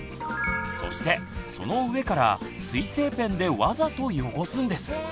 そしてその上から水性ペンでわざと汚すんです。